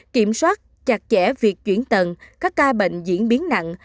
kiểm soát chặt chẽ việc chuyển tận các ca bệnh diễn biến nặng